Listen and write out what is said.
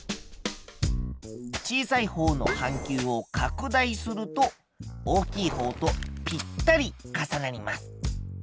小さいほうの半球を拡大すると大きいほうとぴったり重なります。